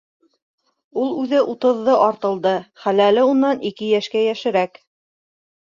Ул үҙе утыҙҙы артылды, хәләле унан ике йәшкә йәшерәк.